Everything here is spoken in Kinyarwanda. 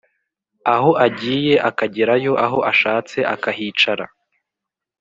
aho agiye akagerayo aho ashatse akahicara